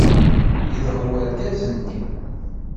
Yedɣel urgaz-nni!